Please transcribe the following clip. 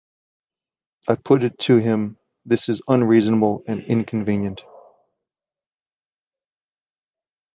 I put it to him, 'This is unreasonable and inconvenient.'